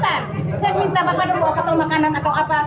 saya yang minta bapak bawa ketul makanan atau apa